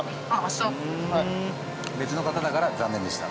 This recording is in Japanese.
別の方でしたから残念でした。